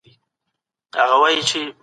د وزیر شاه ولي خان رول په حکومت کي څه و؟